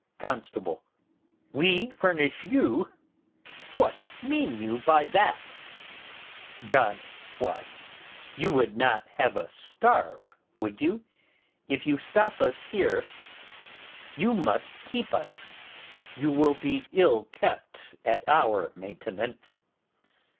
Constable. We furnish you! What mean you by that? John. Why, you would not have us starve, would you? If you stop us here, you must keep us. Constable. You will be ill kept at our maintenance.